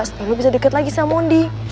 supaya lo bisa deket lagi sama mondi